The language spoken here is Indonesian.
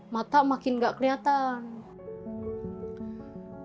mata makin tidak kelihatan